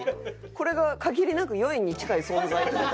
これが限りなく４円に近い存在って事？